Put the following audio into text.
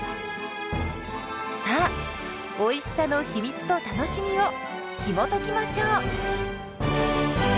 さあおいしさの秘密と楽しみをひもときましょう！